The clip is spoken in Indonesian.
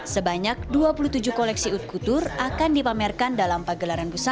sebanyak dua puluh tujuh koleksi utkutur akan dipamerkan dalam pagelaran busana